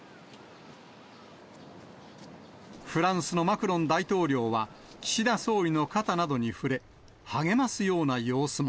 フランスのマクロン大統領は、岸田総理の肩などに触れ、励ますような様子も。